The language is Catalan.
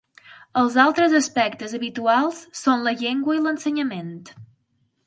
Els altres aspectes habituals són la llengua i l’ensenyament.